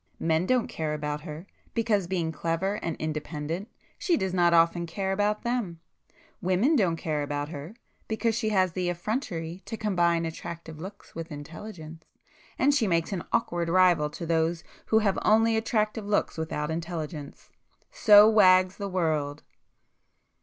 Men don't care about her, because being clever and independent, she does not often care about them,—women don't care about her, because she has the effrontery to combine attractive looks with intelligence, and she makes an awkward rival to those who have only attractive looks without intelligence. So wags the world!